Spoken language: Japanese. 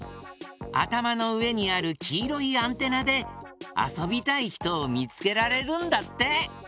あたまのうえにあるきいろいアンテナであそびたいひとをみつけられるんだって。